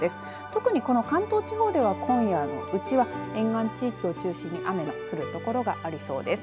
特にこの関東地方では今夜沿岸地域を中心に雨が降る所がありそうです。